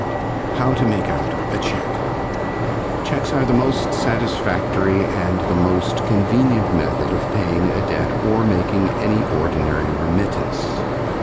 How to Make Out a Check. Checks are the most satisfactory and most convenient method of paying a debt or making any ordinary remittance.